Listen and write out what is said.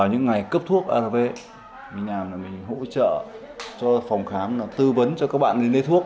hỗ trợ cho phòng khám tư vấn cho các bạn đến lấy thuốc